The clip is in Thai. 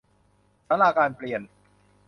ศาลาการเปรียญ